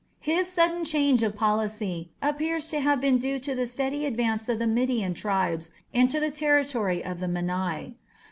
His sudden change of policy appears to have been due to the steady advance of the Median tribes into the territory of the Mannai.